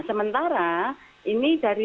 sementara ini dari